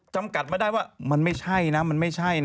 จำกัดมาได้ว่ามันไม่ใช่นะ